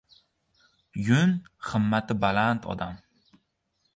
— Yun himmati baland odam